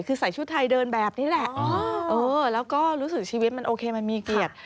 คือใส่ชุดไทยเดินแบบนี้แหละแล้วก็รู้สึกชีวิตมันโอเคมันมีเกียรติ